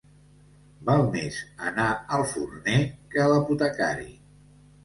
Val més anar al forner que a l'apotecari.